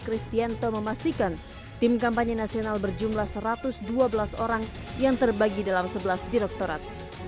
kristianto memastikan tim kampanye nasional berjumlah satu ratus dua belas orang yang terbagi dalam sebelas direktorat